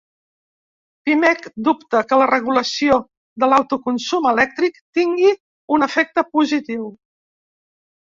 Pimec dubta que la regulació de l'autoconsum elèctric tingui un efecte positiu